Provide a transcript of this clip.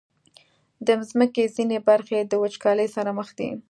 د مځکې ځینې برخې د وچکالۍ سره مخ دي.